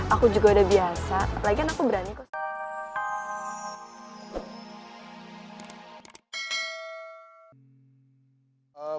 aku juga udah biasa lagian aku berani